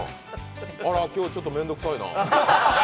あれ、今日ちょっとめんどくさいな。